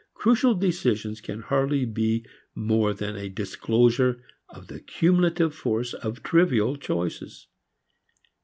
Crucial decisions can hardly be more than a disclosure of the cumulative force of trivial choices.